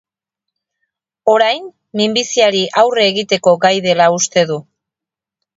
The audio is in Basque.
Orain, minbiziari aurre egiteko gai dela uste du.